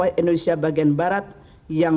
indonesia bagian barat yang